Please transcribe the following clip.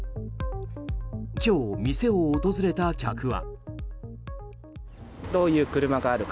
今日、店を訪れた客は。